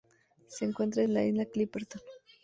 Se encuentra en la Isla Clipperton.